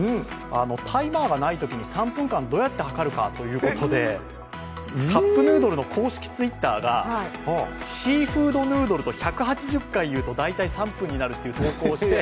タイマーがないときに３分間、どうやって計るかということでカップルードルの公式ツイッターがシーフードヌードルと１８０回言うと大体３分になるって。